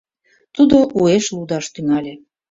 Тудо уэш лудаш тӱҥале.